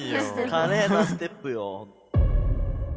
華麗なステップよ。